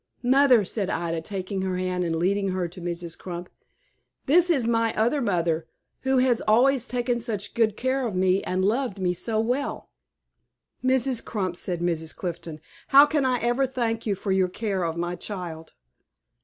"Mother," said Ida, taking her hand, and leading her to Mrs. Crump, "this is my other mother, who has always taken such good care of me and loved me so well." "Mrs. Crump," said Mrs. Clifton, "how can I ever thank you for your care of my child?"